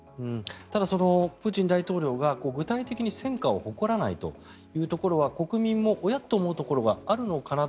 ただそのプーチン大統領が具体的に戦果を誇らないというところは国民も、おやっ？と思うところがあるのかな。